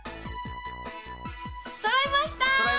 そろいました！